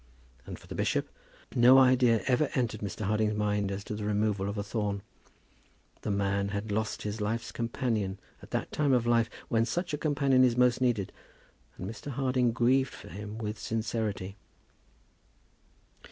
And for the bishop, no idea ever entered Mr. Harding's mind as to the removal of a thorn. The man had lost his life's companion at that time of life when such a companion is most needed; and Mr. Harding grieved for him with sincerity.